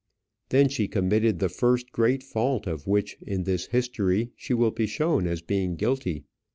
Then she committed the first great fault of which in this history she will be shown as being guilty.